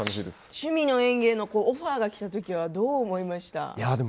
「趣味の園芸」のオファーがきた時はどう思いましたか？